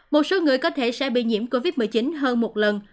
một số người có thể sẽ bị nhiễm covid một mươi chín hơn một lần